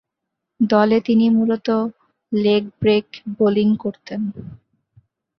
দলে তিনি মূলতঃ লেগ-ব্রেক বোলিং করতেন।